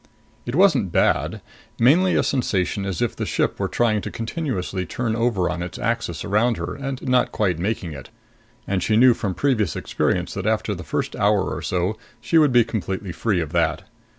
It wasn't bad mainly a sensation as if the ship were trying continuously to turn over on its axis around her and not quite making it and she knew from previous experience that after the first hour or so she would be completely free of that.